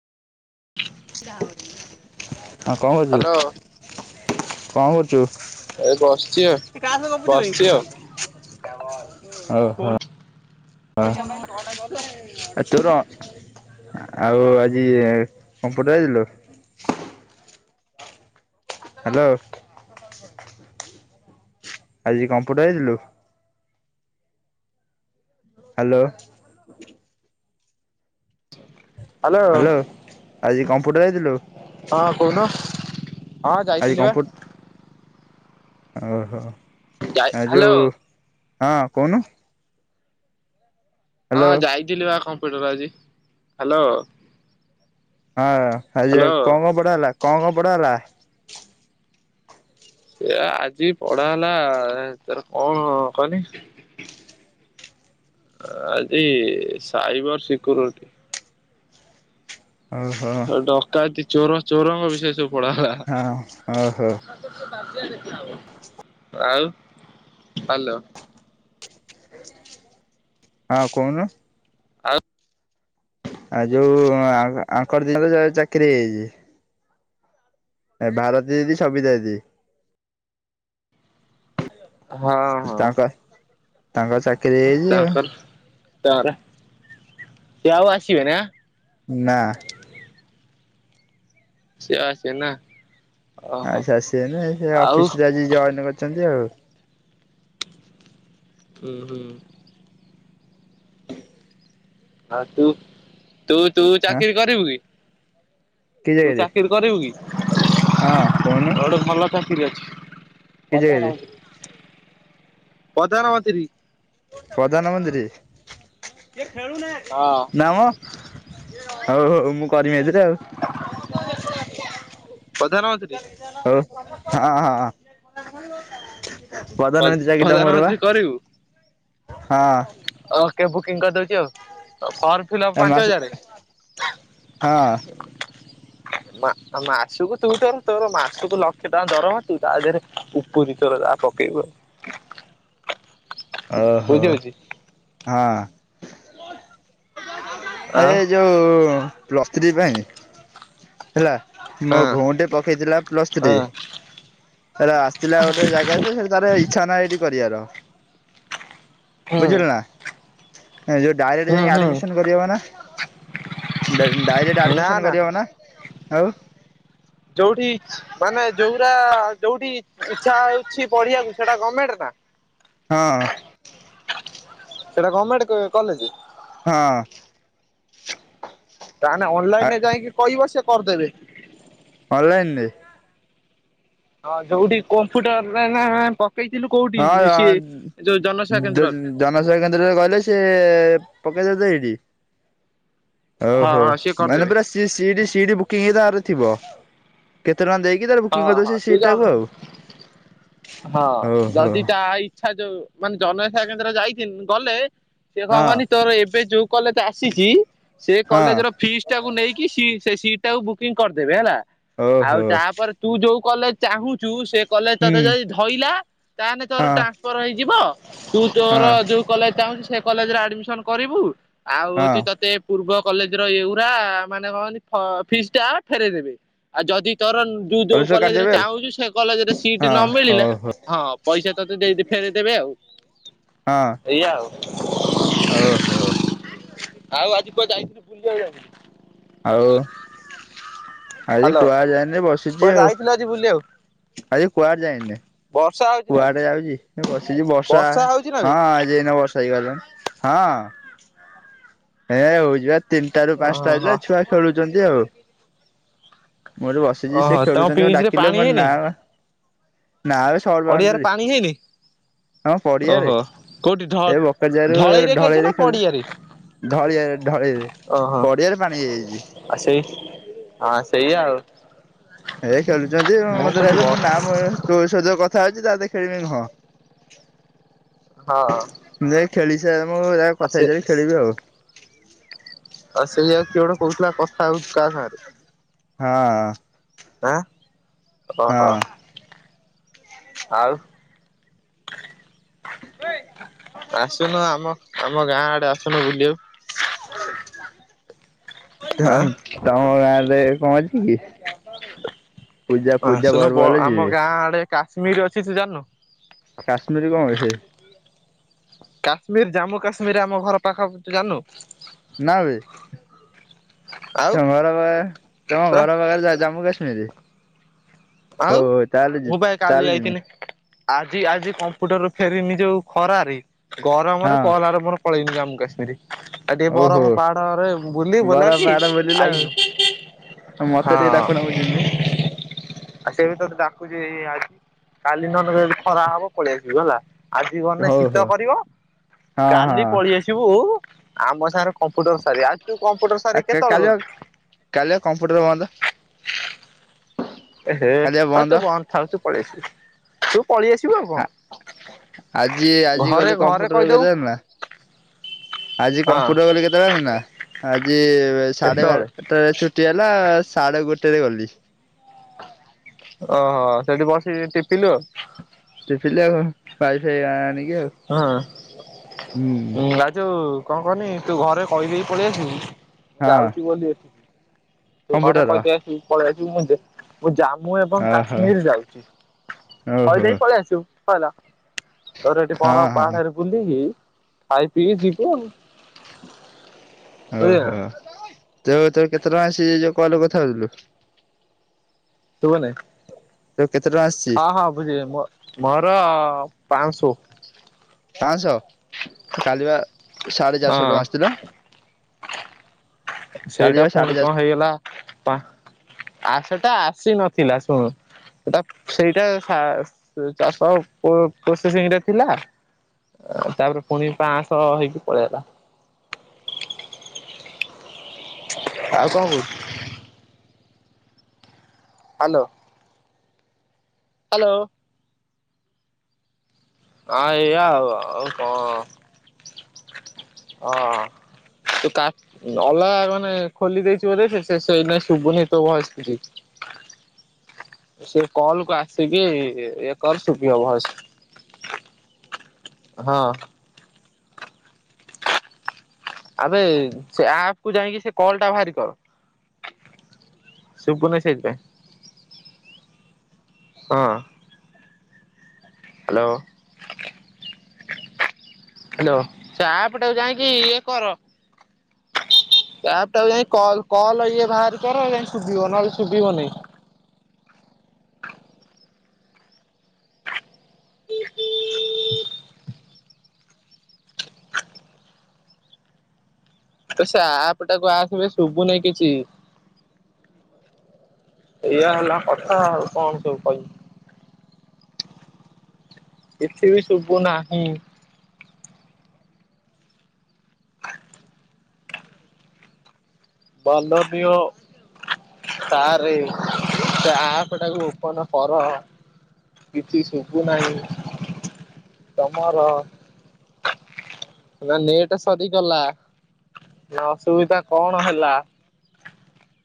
ହଁ କଣ କରୁଛୁ ହ୍ୟାଲୋ କଣ କରୁୁ? ଏଇ ବସିଛି ଆଉ ଚୁ କାହା ସାଙ୍ଗ ଗପୁଛୁ ବେ ବସିଛି ଆଉ ଓ ହ। ହ ଏତ ର ଆଉ ଆଜି କମ୍ପଟ ଯାଇଥିଲୁ। ହ୍ୟାଲୋ ଆଜି କମ୍ପୁଟର ହେଇଥିଲୁ। ହ୍ୟାଲୋ। ହ୍ୟାଲୋ ଆଜି କମ୍ପୁଟ ଯାଇଥିଲୁ। ହଁ କହୁନୁ ହଁ ଆଜି ଯାଇଥିଲି ବା। କମ୍ପୁ ଓହୋ। ଯାଇ ଆ ହ୍ୟାଲୋ। ଯୋଉ ହଁ କହୁନୁ। ହଁ ହ୍ୟାଲୋ ଯାଇଥିଲି ବା କମ୍ପ୍ୟୁଟର ଆଜି ହ୍ୟାଲୋ। ହଁ ଆଜି ଆଉ ହ୍ୟାଲୋ କଣ କଣ ପଢ଼ା ଗଲା କଣ କଣ ପଢ଼ା ଗଲା? ସେ ଆଜି ପଢା ହେଲା ତୋର କଣ କହନି। ଆଜି ସାଇବର ସିକ୍ୟରିଟି। ଓହୋ ଡକାଏତି ଚୋର ଚୋରଙ୍କ ବିଷୟରେ ସବୁ ପଢା ଗଲା। ହଁ ଓହୋ ଆଉ ହଲୋ। ହଁ କହୁନୁ। ଆଉ। ଆଉ ଯୋଉ ଆଙ୍କର ଦିନ ତ ଚାକିରି ହେଇଛି। ଏ ଭାରତ ଦିଦି ସବିତା ଦିଦି। ହଁ ହଁ। ତାଙ୍କ ତାଙ୍କ ଚାକିରି ହେଇଛି ଆଉ। ତାପରେ ସେ ଆଉ ଆସିବେ ଆଁ। ନା। ସେ ଆଉ ଆସିବେନି ନା। ଓହୋ ଆଉ ସେ ଆସିବେନି ସେ ଆଉ ଅଫିସ ରେ ଆଜି ଜଏନ୍ କରିଛନ୍ତି ଆଉ। ହୁଁ ହୁଁ। ଆଉ ତୁ ତୁ ତୁ ଆଁ ଚାକିରି କରିବୁ କି? କି ତୁ ଜାଗାରେ? ଚାକିରି କରିବୁ କି? ହଁ କହୁନୁ। ଠିକ୍ ଅଛି କି ପ୍ରଧାନ ଜାଗାରେ ମନ୍ତ୍ରୀ ପ୍ରଧାନ ମନ୍ତ୍ରୀ। ପ୍ରଧାନ ମନ୍ତ୍ରୀ ହଁ ନାମ। ହଉ ହଉ ମୁଁ କରିମି ଏଥିରେ ଆଉ। ପ୍ରଧାନମନ୍ତ୍ରୀ ହଉ ହଁ ହଁ। ପ୍ରଧାନ ମନ୍ତ୍ରୀ ଚାକିରିଟା ମର ପା। ପ୍ରଧାନମନ୍ତ୍ରୀ କରିବୁ। ଓକେ ବୁକିଂ କରିଦଉଛି ଆଉ। ଫର୍ମ ଫିଲ୍ପ ଏ ପାଞ୍ଚ ମାସ ହଜାର। ହଁ ମାସକୁ ତୁ ତୋର ତୋର ମାସକୁ ଲକ୍ଷେ ଟଙ୍କା ଦରମା ତୁ ତା ଦେହରେ ଉପୁରି ତୋର ଯାହା ପ [inaudible] ଓହୋ ହଁ। ଏ ଆଉ ଯୋଉ ପ୍ଲସ୍ ଥ୍ରୀ ପାଇଁ ହେଲା। ମୋ ହଁ ଭଉଣୀ ଟେ ପକେଇଥିଲା ପ୍ଲସ ଥ୍ରୀ। ହଁ ତାର ଆସିଥିଲା ଗୋଟେ ଜାଗାରେ ଯେ ସେଠି ତାର ଇଚ୍ଛା ନାହିଁ ସେଠି କରିବାର। ହୁଁ ବୁଝିଲୁନା। ଯୋଉ ଡାଇଟ ହୁଁ ଯାଇ ହୁଁ ଆଡମିସନ କରି ହବନା। ଡାଇରେକ୍ଟ ଆଡମିସନ କରିହବ ନା ଆଉ। ଯୋଉଠି ମାନେ ଯୋଉରା ଯୋଉଠି ଇଚ୍ଛା ହଉଛି ପଢିବାକୁ ସେଇଟା ଗଣମେଣ୍ଟ ନା। [inaudible] ହଁ। ସେଇଟା ଗଭର୍ଣ୍ଣମେଣ୍ଟ କଲେଜ। ହଁ। ତାହେଲେ ଅନଲାଇନରେ ଯାଇକି କହିବ ସେ କରିଦେବେ। ମଲଇଛନ୍ତି ହଁ ଯୋଉଠି କମ୍ପୁଟରରେ ନା ପକେଇଥିଲୁ କୋଉଠି ସିଏ ଯୋଉ ଜନସେବା ହଁ। କେନ୍ଦ୍ରରେ। ଜନସେବା କେନ୍ଦ୍ରରେ ଗହଲେ ସେ ପକେଇଦ ତ ଏଇଠି ଓଉ ହଁ ହୋ ହଁ ସିଏ ମାନେ କରିଦେବେ। ପୁର ସି ବୁକିଂ ତରେ ଥିବ କେତେ ଟ ଦେଇକି ତାଲେ ହଁ ବୁକିଂ ହଁ କରିଦେଉ ତୁ ଜନ ସିଟଟାକୁ ହଁ ଆଉ ହଉ। ଯଦି ତା ଇଚ୍ଛା ଯୋଉ ମାନେ ଜନସେଖା କେନ୍ଦ୍ର ଯାଇଛନ୍ତି ଗଲେ। ସେ ହଁ କବନି ତୋର ଏବେ ଯୋଉ କଲେଜ ଆସିଛି ସେ ହଁ କଲେଜ ର ଫିସ୍ ଟାକୁ ନେଇକି ସି ସେ ସିଟ୍ ଟାକୁ ବୁକିଂ କରିଦେବେ ହେଲା। ଓ ଆଉ ହୋ। ତାପରେ ତୁ ଯୋଉ କଲେଜ ଚାହୁଁଛୁ ସେ କଲେଜ ତତେ ଯଦି ଧରଲା। ତାହେଲେ ତୋର ହଁ ଟ୍ରାନ୍ସଫର ହେଇଯିବ ତୁ ତୋର ହଁ ଯୋଉ କଲେଜ ଚାହୁଁଛୁ ସେ କଲେଜରେ ଆଡମିସ କରିବୁ ଆଉ ହଁ ହଉଛି ତତେ ପୂର୍ବ କଲେଜ ର ଏଗୁରା ମାନେ କହନ୍ତି ଫିଜ ଟା ଫେରଇଦେବେ ଆଉ ଯଦି ତୋର ତୁ ଯୋଉ ପରଶ କଲେଜରେ କାଟିଦେବେ ଚାହୁଁଛୁ ସେ କଲେଜରେ ସିଟ ନ ଆଉ ମିଳିଲା ହଁ ହଉ ହଁ ପଇସା ତତେ ଦେଇ ଫେରଦେବେ ଆଉ ହଉ ହଁ ଏଇଆା ଆଉ ଓହୋ। ଯାଇଥିଲି ପୁଲ ଯ ହଉ। ଆଜି ହାଲୋ କୁଆଡେ ଯାଇନି ବସିଛି କୁଆଡେ ଆଉ ଯାଇଥିଲୁ ଆଜି ବୁଲିବାକୁ? ଆଜି କୁଆଡେ ଯାଇନି। ବର୍ଷା ହଉଛି ନା ଆଜି? କୁଆଡେ ଯାଉଛି ବସିଛି ବର୍ଷା ହଉଛି ନା ହଁ ବେ? ଯେ ବର୍ଷା ହେଇଗଲେ ହଁ ହେ ହଉଛି। ତିନିଟା ର ପାଞ୍ଚଟା ହେଲା ଓହୋ। ଛୁଆ ଖେଳୁଛନ୍ତି ଆଉ। ମୁୋଠ ବସିଛି ଓହୋ ସେ ତମ ଖେଳୁଛନ୍ତି ମୁ ପିଚ୍ ରେ ଡାକିଲେ ପାଣି ମୋର ହେଇନି ନାଁ ନାବେ ଶଉଟ ପଡିଆରେ ବାଉଣ୍ଡ୍ରି ପାଣି ହେଇନି ହଁ ପଡିଆରେ ଓହୋ କୋଉଠି ଢ ଏ ବକ ଯ ରାରୁ ଖେଳୁଛ ନା ଢଳେଇରେ ଖେ ପଡିଆରେ ଢଳିଆ ଢଳି ଓହୋ ପଡିଆରେ ପାଣି ହେଇଯାଇଛି। ଆ ସେଇ ହଁ ସେଇଆ ଆଉ ହେ ଖେଳୁଛନ୍ତି ମୁଁ ମତେ କହୁଛି ବ ରହିଲ ମୋ ନା ତୋ ସହି କଥା ସାହାଜୀ ଦାଦା ଖେଳି ମ ହଁ ହଁ। ମୁଁ ଯାଇ ଖେଳିସାରେ ମୁଁ ଆ କଥା ସେ ହେଇଯାର ଖେଳିବି ଆଉ ଆଉ ସେଇଆାଉ କିଏ ଗୋଟେ କହୁଥିଲା କଥା ହଉଛିୁ କାହା ସା ରେ ହଁ। ହ ଓ ହୋ ହଁ ଆଉ। ଆସୁନୁ ଆମ ଆମ ଗାଁ ଆଡେ ଆସୁନୁ ବୁଲିବାକୁ। ଆଁ [unintelligible] ତମ ଗାଁରେ ପହଚିବି। ଆସୁନୁ ବ ଆମ ଗାଁ ଆଡେ କାଶ୍ମୀର ଅଛି ତୁ ଜାନୁ କାଶ୍ମୀରୀ କଣ ବେ ହେ? କାଶ୍ମୀର ଜାମ୍ମୁ କାଶ୍ମୀର ରେ ଆମ ଘର ପାଖପ ତୁ ଜାନୁ। ନା ବେ। ଆଉ ତମ ଘର ପା ତମ ପୁରା ଘର ପାଖରେ ଯା ଜାମ୍ମୁ କାଶ୍ମୀରି। ଆଉ ମୁଁ ପା ଯିବି କାଲି ତାହେଲେ ଯିବି ଯାଇଥିନି। ଆଜି ଆଜି କମ୍ପୁଟର ଫେରି ନି ଯୋଉ ଖରାରେ ହଁ ଗରମରେ ପହଲା ର ମୋର ପଳେଇନୁ ଜାମୁ କଶ୍ମୀର ଆଉ ଟିକେ ଓହୋ ବରଫ ପାହାଡରେ ବୁଲି ବୁଲା ବରଫ କି ପାହାଡ ବୁଲିଲ ଆଇନୁ। ଆଉ ମତ ଟିକେ ଡାକୁନ ମୁଁ ଯିମି। ଆ ସେ ବି ତତେ ଡାକୁୁଛି ଆଇ କାଲି ନହେଲେ ଯଦି ଖରା ହବ ପଳେଇ ଆସିବୁ ହେଲା ଆଜି ଗନେ ହଉ ଶୀତ ହଉ କରିବ। ହଁ କାଲି ହଁ ପଳେଇ ଆସିବୁ ଆମ ସାଙ୍ଗରେ କମ୍ପୁଟର ସାରୀ ଆଜି ତୁ କମ୍ପୁଟର ସାରୀ କା କେତେବେଳେ କାଲି ବା ଗଲୁ? କାଲି ବା କମ୍ପ୍ୟୁଟର ବନ୍ଦ ଏହେ କାଲି ବା ହ ତୁ ବନ୍ଦ ଥାଉ ତୁ ପଳେଇ ଆସିବୁ। ତୁ ପଳେଇ ଆସିବୁ ଆଉ କଣ ଆଜି ଆଜି ଘରେ ଗଲି ଘରେ କମ୍ପ୍ୟୁଟର କହିଦବୁ କେତେ ଜାଣିଲୁ ନା? ଆଜି ହଁ କମ୍ପୁଟର ଗଲି କେତେବେଳେ ଜାଲୁନା? ଆଜି ସାଢେ କେତେବେଳେ ବାରଟା ରେ ଛୁଟି ହେଲା ସେ ସାଢେ ଗୋଟେରେ ଗଲି। ଓହୋ ସେଠି ବସିକ ଟିପିଲୁ ଆଉ ଟିପିଲି ଆଉ ୱାଇଫାଇ ଆଣି ହଁ ରାଜୁ କଣ କହନି ତୁ ଘରେ କହିଦେଇକି ପଳେଇ ଆସିବୁ ହଁ ଯାଉଛି ବୋଲି ତୁ ଘରେ କମ୍ପ୍ୟୁଟର କହିଦେଇ ଆସିବୁ ପଳେଇ ଆସିବୁ ମୁଁ ଦ ମୁଁ ଯାଉ ମୁଁ ଏବଂ ଓହୋ କାଶ୍ମୀର ଯାଉଛି କହି ଓହୋ ଦେଇ ପଳେଇ ଆସିବୁ ସଇଲା। ତୋର ଏଠି ହଁ ବରଫ ହଁ। ପାହାଡରେ ବୁଲି କି ଖାଇ ପିଇ କି ଯିବୁ ଆଉ। ବୁଝିଲୁ ନା ଓହୋ। ତ ତୋ କେତେ ଟଙ୍କା ଆସିଚି ଯୋଉ କଲ୍ ରେ କଥା ହଉଥିଲୁ? ଶୁଭୁ ନେଇ? ତୋର କେତେ ଟଙ୍କା ଆସିଛି? ହଁ ହଁ ବୁଜିଲି ମୋ ମୋର ପ୍ନାସୋ ପାଁସ କାଲିିବା ସାଢେ ଚାରିଶହ ଟଙ୍କା ହଁ ଆସିଥିଲା। କାଲି ସେଇଟା ବା ସାଢେ ପୁଣି ଚାରିଶହ କଣ ହେଇଗଲା ପା? ଆ ସେଟା ଆସି ନଥିଲା ଶୁଣ ସେଟା ସେଇଟା ସା ଚାରିସହ ପୋ ପ୍ରୋସେସିଂ ରେ ଥିଲା ତାପରେ ପୁଣି ପାନ୍ସ ହେଇକି ପଳେଇ ଆଇଲା। ଆଉ କଣ କହୁଛୁ? ହାଲୋ। ହ୍ୟାଲୋ। ହଁ ଏୟା କଁ ଆଉ କଣ ହଁ। ତୁ କା ଅଲଗା ମାନେ ଖୋଲି ଦେଇଛୁ ବୋଧ ସେ ଶେଷ ନାଇ ଶୁଭୁନି ତୋ ଭଏସ କିଛି। ସେ କଲ କୁ ଆସିକି ଏ କର ଶୁଭିବ ଭଏସ। ହଁ। ଆବେ ସେ ଆପକୁୁ ଯାଇଁକି ସେ କଲ ଟା ବାହରି କର। ଶୁୁଭୁ ନି ସେଥି ପାଇଁ ହଁ। ହ୍ୟାଲୋ। ହ୍ୟାଲୋ ସେ ଏପ ଟାକୁଯାଇକି ଇଏ କର। ଏପ ଟାକୁ ଯାଇକି କଲ ଇଏ ବାହାରି କର ଯାଇ ଶୁଭିବ ନହଲେ ଶୁଭିବନି। ତ ସେ ଆପ ଟାକୁ ଆସବେ ଶୁଭୁ ନାହିଁ କିଛି। ଏଇଆ ହେଲା କଥା ଆଉ କଣ ସବୁ କହିବି। କିଛି ବି ଶୁଭୁ ନାହିଁ। ବାଲବିୟ। ସରେ ସେ ଆପଟାକୁ ଓପନ କର। କିଛି ଶୁଭୁ ନାହିଁ ତମର। ନା ନେଟ ସରିିକଲା। ନା ଅସୁବିଧା କଣ ହେଲା?